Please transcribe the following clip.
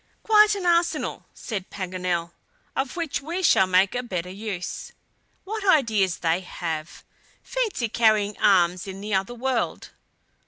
"Quite an arsenal!" said Paganel, "of which we shall make a better use. What ideas they have! Fancy carrying arms in the other world!"